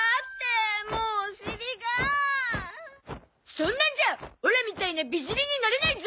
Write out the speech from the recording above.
そんなんじゃオラみたいな美尻になれないゾ！